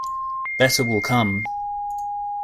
Better will come.